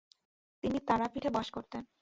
তিনি তারাপীঠে বাস করতেন।